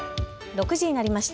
６時になりました。